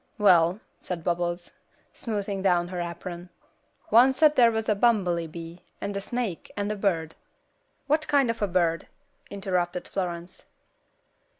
"Well," said Bubbles, smoothing down her apron, "oncet they was a bummelybee, and a snake, and a bird." "What kind of a bird?" interrupted Florence.